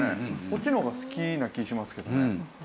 こっちの方が好きな気がしますけどね。